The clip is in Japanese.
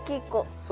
そう。